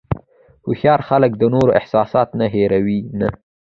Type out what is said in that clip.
هوښیار خلک د نورو احساسات نه هیروي نه.